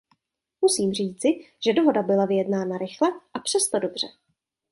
Musím říci, že dohoda byla vyjednána rychle, a přesto dobře.